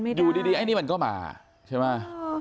อยู่ดีไอ้นี่มันก็มาใช่ไหม